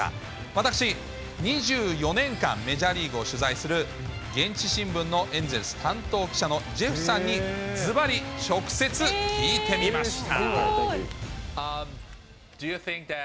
私、２４年間メジャーリーグを取材する現地新聞のエンゼルス担当記者のジェフさんに、ずばり直接聞いてみました。